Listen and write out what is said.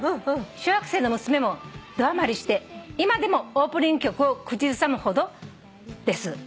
「小学生の娘もどはまりして今でもオープニング曲を口ずさむほどです」